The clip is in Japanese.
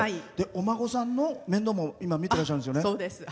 お孫さんの面倒も今見てらっしゃるんですよね。